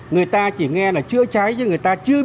người ta chỉ nghe là chữa cháy chứ người ta chưa biết